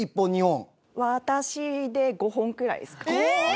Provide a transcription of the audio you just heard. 私で５本くらいですかね。